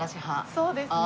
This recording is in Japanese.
そうですね。